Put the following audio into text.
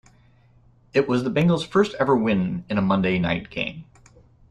It was the Bengals' first ever win in a Monday night game.